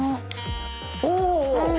お！